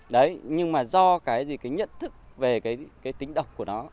đấy nhưng mà do cái gì cái nhận thức về cái tính độc của nó